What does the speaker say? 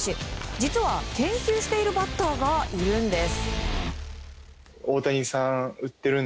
実は、研究しているバッターがいるんです。